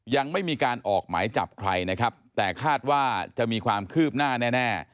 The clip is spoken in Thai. ยังไม่มีการออกหมายจับใครนะครับแต่คาดว่าจะมีความคืบหน้าแน่